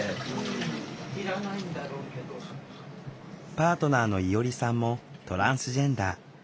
パートナーの伊織さんもトランスジェンダー。